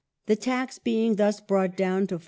the tax being thus brought down to 4d.